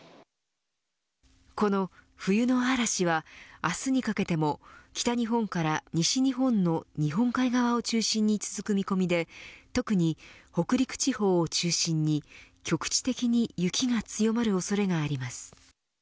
この冬の嵐は明日にかけても北日本から西日本の日本海側を中心に続く見込みで特に北陸地方を中心に局地的に雪が強まる恐れがあります。